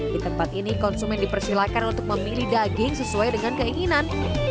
di tempat ini konsumen dipersilakan untuk memilih daging sesuai dengan keinginan